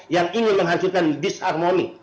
yang ingin menghasilkan disharmony